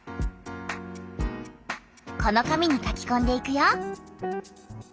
この紙に書きこんでいくよ。